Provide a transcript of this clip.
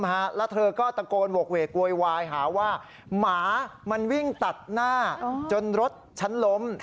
แล้วเธอก็ตะโกนโหกเวกโวยวายหาว่าหมามันวิ่งตัดหน้าจนรถฉันล้ม